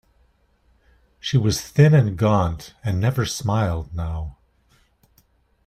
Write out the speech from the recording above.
She was thin and gaunt, and never smiled, now.